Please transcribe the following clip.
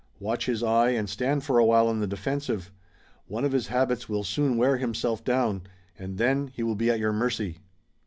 Watch his eye and stand for a while on the defensive. One of his habits, will soon wear himself down, and then he will be at your mercy."